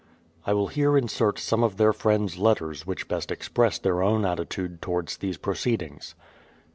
I will here insert some of their friends' letters, which best express their own attitude towards these proceedings.